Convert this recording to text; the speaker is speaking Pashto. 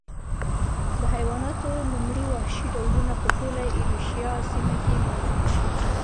د حیواناتو لومړي وحشي ډولونه په ټوله ایرویشیا سیمه کې موجود و